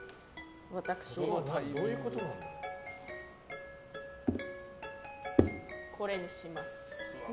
私、これにします。